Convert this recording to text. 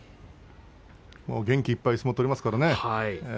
元気いっぱい相撲を取りますからね。